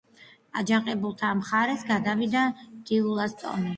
აჯანყებულთა მხარეს გადავიდა დიულას ტომი.